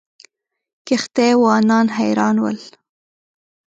کښتۍ وانان حیران ول.